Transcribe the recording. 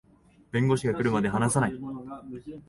弁護士が来るまで話さない